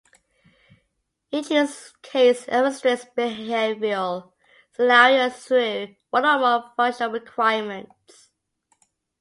Each use case illustrates behavioral scenarios through one or more functional requirements.